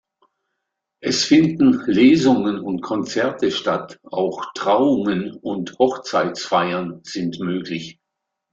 Es finden Lesungen und Konzerte statt; auch Trauungen und Hochzeitsfeiern sind möglich.